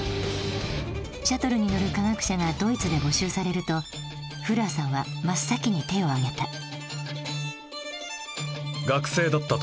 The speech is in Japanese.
シャトルに乗る科学者がドイツで募集されるとフラーさんは真っ先に手を挙げた。